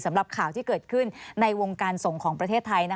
สำหรับข่าวที่เกิดขึ้นในวงการส่งของประเทศไทย